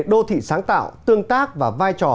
đô thị sáng tạo tương tác và vai trò